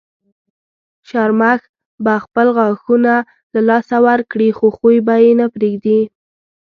شرمښ به خپل غاښونه له لاسه ورکړي خو خوی به یې نه پرېږدي.